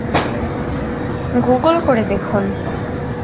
Google করে দেখুন।